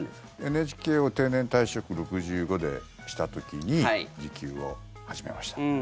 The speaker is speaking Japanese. ＮＨＫを定年退職６５でした時に受給を始めました。